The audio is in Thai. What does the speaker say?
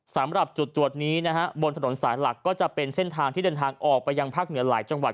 สำหรับจุดตรวจนี้นะฮะบนถนนสายหลักก็จะเป็นเส้นทางที่เดินทางออกไปยังภาคเหนือหลายจังหวัด